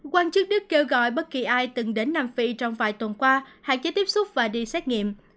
quan chức đức kêu gọi bất kỳ ai từng đến nam phi trong vài tuần qua hạn chế tiếp xúc và đi xét nghiệm